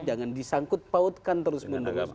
jangan disangkut pautkan terus menerus